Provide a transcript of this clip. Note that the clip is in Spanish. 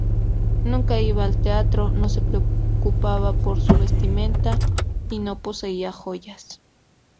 Nunca iba al teatro, no se preocupaba por su vestimenta, y no poseía joyas.